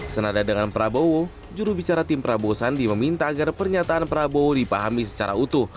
senada dengan prabowo jurubicara tim prabowo sandi meminta agar pernyataan prabowo dipahami secara utuh